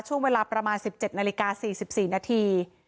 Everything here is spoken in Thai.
ช่วงเวลาประมาณ๑๗นาฬิกา๔๔นาที